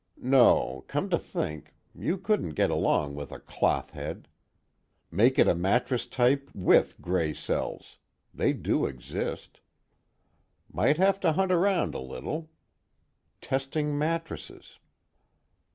No, come to think, you couldn't get along with a clothhead. Make it a mattress type with gray cells; they do exist. Might have to hunt around a little. Testing mattresses."